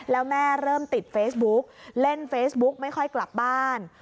แล้วแม่เริ่มติดเฟซบุ๊กเล่นเฟซบุ๊กไม่ค่อยกลับบ้าน